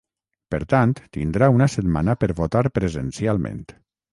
Per tant, tindrà una setmana per votar presencialment.